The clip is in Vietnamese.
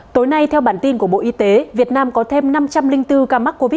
tối nay theo bản tin của bộ y tế việt nam có thêm năm trăm linh bốn ca mắc covid một mươi